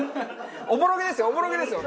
おぼろげですよ！